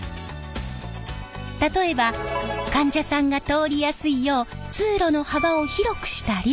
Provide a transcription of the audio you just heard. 例えば患者さんが通りやすいよう通路の幅を広くしたり。